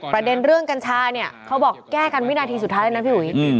ประเด็นเรื่องกัญชาเนี่ยเขาบอกแก้กันวินาทีสุดท้ายแล้วนะพี่อุ๋ย